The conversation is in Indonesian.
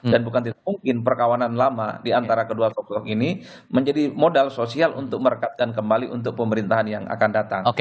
dan bukan tidak mungkin perkawanan lama diantara kedua sokok ini menjadi modal sosial untuk merekatkan kembali untuk pemerintahan yang akan datang